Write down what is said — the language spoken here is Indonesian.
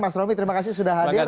mas romy terima kasih sudah hadir